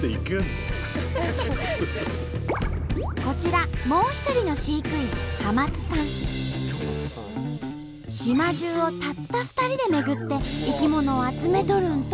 こちらもう一人の飼育員島中をたった２人で巡って生き物を集めとるんと。